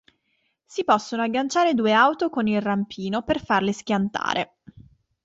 Si possono agganciare due auto con il rampino per farle schiantare.